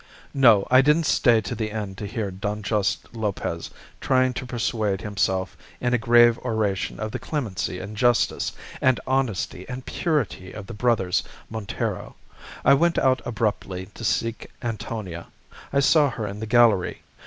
"No, I didn't stay to the end to hear Don Juste Lopez trying to persuade himself in a grave oration of the clemency and justice, and honesty, and purity of the brothers Montero. I went out abruptly to seek Antonia. I saw her in the gallery.